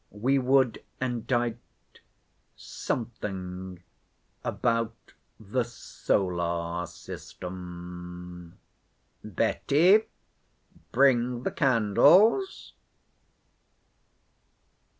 We would indite something about the Solar System.—Betty, bring the candles.